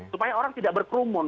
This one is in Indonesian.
supaya orang tidak berperumun